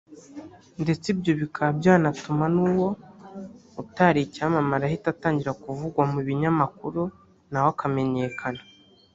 ndetse ibyo bikaba byanatuma n’uwo utari icyamamare ahita atangira kuvugwa mu binyamakuru nawe akamenyekana